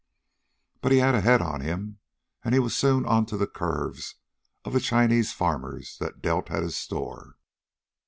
But he had a head on him, and he was soon onto the curves of the Chinese farmers that dealt at his store.